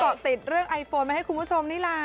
เกาะติดเรื่องไอโฟนมาให้คุณผู้ชมนี่แหละ